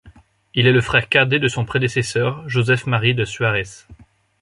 Il est le frère cadet de son prédécesseur Joseph Marie de Suarès.